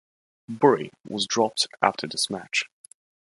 Berry was dropped after this match.